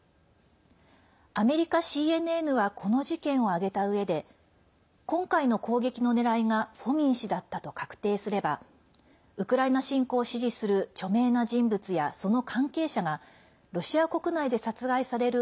アメリカＣＮＮはこの事件を挙げたうえで今回の攻撃の狙いがフォミン氏だったと確定すればウクライナ侵攻を支持する著名な人物や、その関係者がロシア国内で殺害される